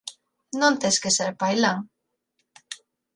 Non tes que ser pailán"